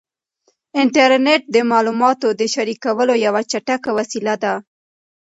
انټرنیټ د معلوماتو د شریکولو یوه چټکه وسیله ده.